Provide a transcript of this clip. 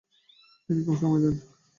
তিনি কম সময় দেন ।